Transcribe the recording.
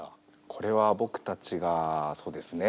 これは僕たちがそうですね